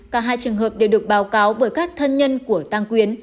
cả hai trường hợp đều được báo cáo bởi các thân nhân của tăng quyến